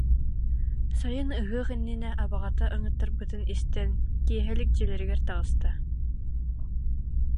Сайын ыһыах иннинэ абаҕата ыҥыттарбытын истэн, киэһэлик дьиэлэригэр таҕыста